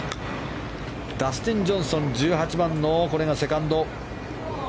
ダスティン・ジョンソン１８番のセカンド。